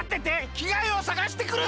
きがえをさがしてくる！